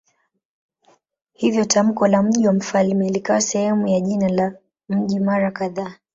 Hivyo tamko la "mji wa mfalme" likawa sehemu ya jina la mji mara kadhaa.